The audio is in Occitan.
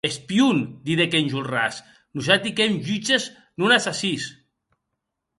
Espion, didec Enjolras, nosati qu’èm jutges, non assassins.